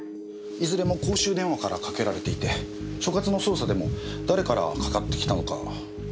いずれも公衆電話からかけられていて所轄の捜査でも誰からかかってきたのかわかっていません。